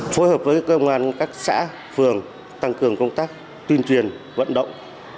phối hợp với công an các xã phường tăng cường công tác tuyên truyền vận động